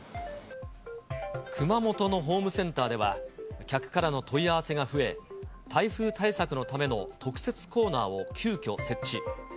熊本のホームセンターでは、客からの問い合わせが増え、台風対策のための特設コーナーを急きょ、設置。